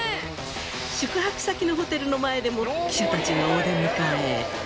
宿泊先のホテルの前でも記者たちがお出迎え。